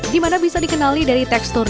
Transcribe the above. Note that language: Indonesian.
di mana bisa dikenali dari tekstur